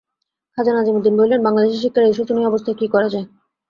খাজা নাজিমুদ্দিন বলিলেন, বাংলাদেশে শিক্ষার এই শোচনীয় অবস্থায় কী করা যায়?